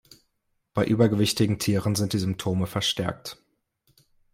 Bei übergewichtigen Tieren sind die Symptome verstärkt.